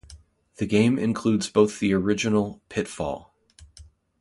The game includes both the original Pitfall!